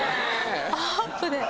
アップで。